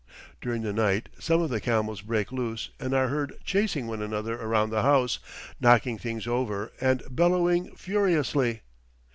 During the night some of the camels break loose and are heard chasing one another around the house, knocking things over and bellowing furiously.